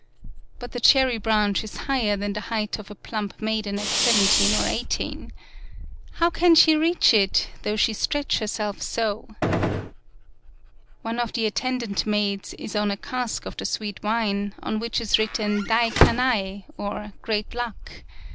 But the cherry branch is higher than the height of a plump maiden at seven teen or eighteen. How can she reach it, 109 PAULOWNIA though she stretch herself so? ... One of the attendant maids is on a cask of the sweet wine, on which is written Dai kanai, or Great Luck.